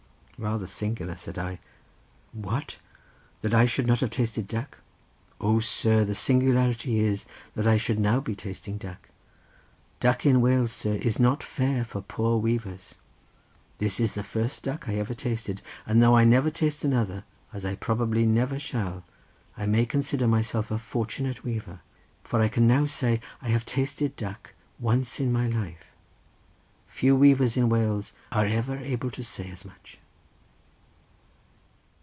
"Rather singular," said I. "What that I should not have tasted duck? O, sir, the singularity is, that I should now be tasting duck. Duck in Wales, sir, is not fare for poor weavers. This is the first duck I ever tasted, and though I never taste another, as I probably never shall, I may consider myself a fortunate weaver, for I can now say I have tasted duck once in my life. Few weavers in Wales are ever able to say as much."